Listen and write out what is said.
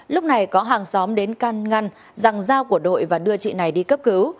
lúc này có hàng xóm đến căn ngăn răng dao của đội và đưa chị này đi khỏi nhà